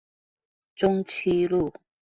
中棲路